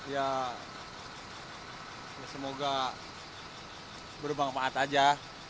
ya semoga berubah kebaikan saja